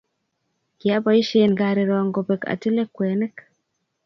kiapoisien kariron kopek atile kwenik